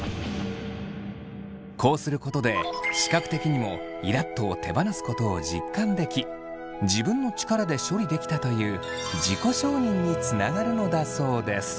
こうすることで視覚的にも「イラっと」を手放すことを実感でき自分の力で処理できたという自己承認につながるのだそうです。